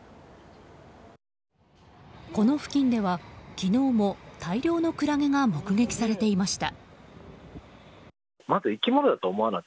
この付近では昨日も大量のクラゲが目撃されていました。